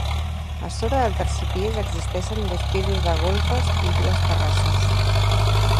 A sobre del tercer pis existeixen dos pisos de golfes i dues terrasses.